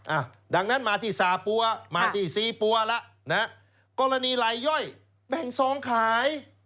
อ่ะดังนั้นมาที่สาปัวมาที่ซีปัวแล้วนะฮะกรณีลายย่อยแบ่งซองขาย